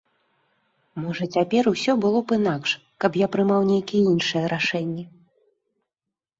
Можа, цяпер усё было б інакш, каб я прымаў нейкія іншыя рашэнні.